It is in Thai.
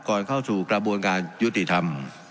เข้าสู่กระบวนการยุติธรรม